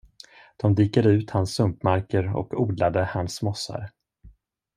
De dikade ut hans sumpmarker och odlade hans mossar.